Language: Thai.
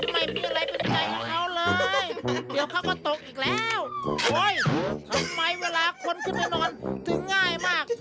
ไม่มีอะไรเป็นใจของเขาเลยเดี๋ยวเขาก็ตกอีกแล้วโอ๊ยทำไมเวลาคนขึ้นมานอนถึงง่ายมาก